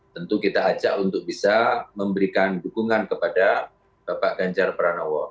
tentu kita ajak untuk bisa memberikan dukungan kepada bapak ganjar pranowo